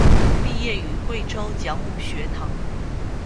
毕业于贵州讲武学堂。